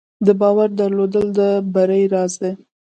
د باور درلودل د بری راز دی.